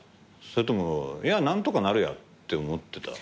それともいや何とかなるやって思ってた？